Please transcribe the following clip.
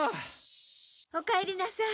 おかえりなさい。